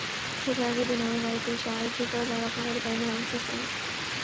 ভোটের আগের দিন আমার বাড়িতে এসে আইনশৃঙ্খলা রক্ষাকারী বাহিনী ভাঙচুর করল।